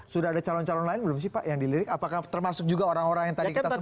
sudah ada calon calon lain belum sih pak yang dilirik apakah termasuk juga orang orang yang tadi kita sebut